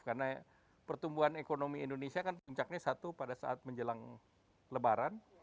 karena pertumbuhan ekonomi indonesia kan puncaknya satu pada saat menjelang lebaran